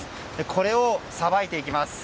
これをさばいていきます。